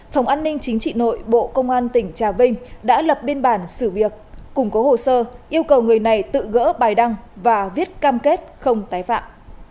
phòng an ninh chính trị nội bộ công an tỉnh trà vinh đã lập biên bản xử việc củng cố hồ sơ yêu cầu người này tự gỡ bài đăng và viết cam kết không tái phạm